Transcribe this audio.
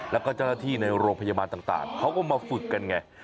แล้วก็เจ้าหน้าที่ในโรงพยาบาลต่างเขาก็มาฝึกกันไง